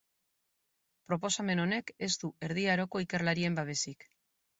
Proposamen honek ez du Erdi Aroko ikerlarien babesik.